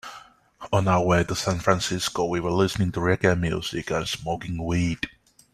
On our way to San Francisco, we were listening to reggae music and smoking weed.